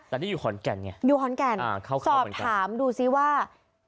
แต่ที่อยู่หอนแก่นไงอยู่หอนแก่นอ่าเข้าเข้าเหมือนกันสอบถามดูซิว่า